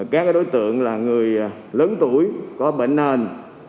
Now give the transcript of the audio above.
các đối tượng là người lớn tuổi có bệnh nền